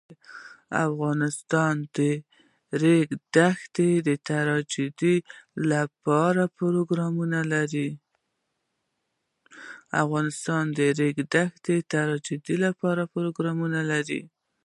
افغانستان د د ریګ دښتې د ترویج لپاره پروګرامونه لري.